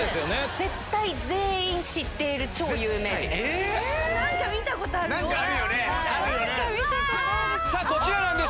絶対、全員知っている、超有名人です。